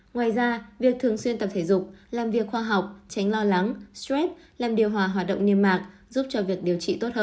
ngoài ra việc thường xuyên tập thể dục làm việc khoa học tránh lo lắng stress làm điều hòa hoạt động niêm mạc giúp cho việc điều trị tốt hơn